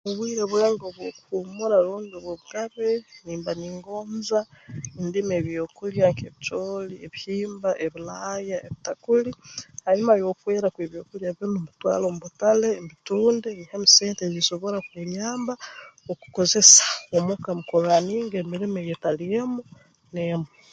Obwire bwange obw'okuhuumura rundi obw'obugabe nimba ningonza ndime ebyokulya nk'ebicooli ebihimba ebilaaya ebitakuli hanyuma y'okwera kw'ebyokulya binu mbitwale omu butale mbitunde nyihemu sente ezisobora kunyamba okukozesa omuka mu kurraaninga emirimo eyeetali emu n'emu